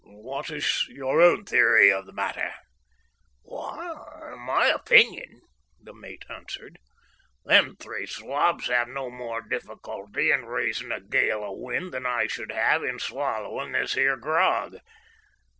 "What is your own theory on the matter?" "Why, in my opinion," the mate answered, "them three swabs have no more difficulty in raising a gale o' wind than I should have in swallowing this here grog.